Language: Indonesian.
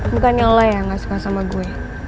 bukannya allah yang gak suka sama gue